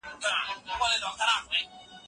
سیاسي پوهه د هر وګړي لپاره اړینه ده.